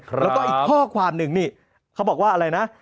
แล้วก็อีกข้อความหนึ่งนี่เขาบอกว่าอะไรนะ